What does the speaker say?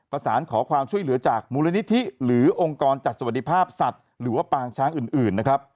ประสานขอความช่วยเหลือจากมูลนิธิหรือองค์กรจัดสวัสดิภาพสัตว์หรือว่าปางช้างอื่นนะครับ